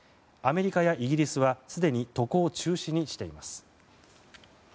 アメリカやイギリスはすでに渡航中止にしています。